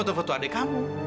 ya sudah siap